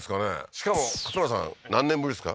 しかも勝村さん何年ぶりですか？